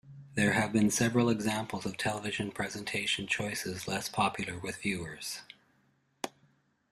There have been several examples of television presentation choices less popular with viewers.